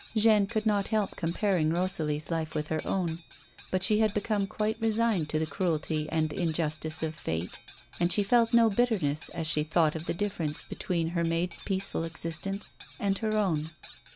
Jeanne could not help comparing Rosalie's life with her own, but she had become quite resigned to the cruelty and injustice of Fate, and she felt no bitterness as she thought of the difiference between her maid's peaceful existence and her own.